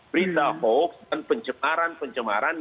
berita hoax dan pencemaran pencemaran